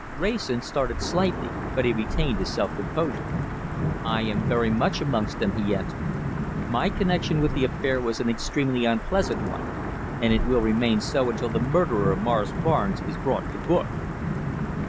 Wrayson started slightly, but he retained his self composure. "I am very much amongst them," he answered. "My connection with the affair was an extremely unpleasant one, and it will remain so until the murderer of Morris Barnes is brought to book."